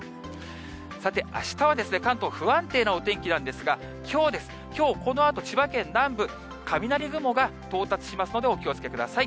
さて、あしたは関東、不安定なお天気なんですが、きょうは、きょうこのあと、千葉県南部、雷雲が到達しますので、お気をつけください。